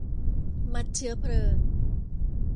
มัดเชื้อเพลิง